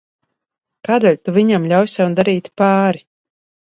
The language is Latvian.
Kādēļ tu viņam ļauj sev darīt pāri?